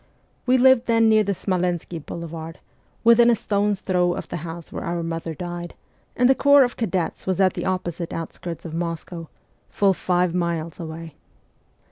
We lived then near the Smolensky boulevard, within a stone's throw of the house where our mother died, and the corps of cadets was at the opposite out skirts of Moscow, full five miles away.